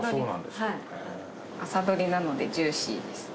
朝採れなのでジューシーです。